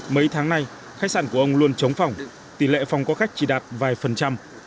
mấy tháng nay khách sạn của ông luôn chống phòng tỷ lệ phòng có khách chỉ đạt vài phần trăm